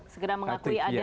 segera mengakui aja gitu ya